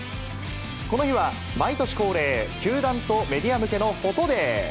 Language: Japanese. この日は毎年恒例、球団とメディア向けのフォトデー。